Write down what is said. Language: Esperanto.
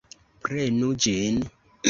Prenu ĝin!